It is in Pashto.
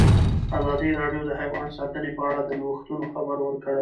ازادي راډیو د حیوان ساتنه په اړه د نوښتونو خبر ورکړی.